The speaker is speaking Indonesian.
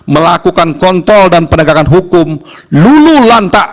melakukan kontrol dan penegakan hukum luluh lantak